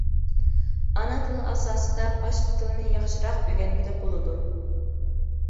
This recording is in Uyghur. ئانا تىل ئاساسىدا باشقا تىلنى ياخشىراق ئۆگەنگىلى بولىدۇ.